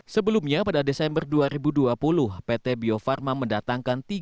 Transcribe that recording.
sebelumnya pada desember dua ribu dua puluh pt bio farma mendatangkan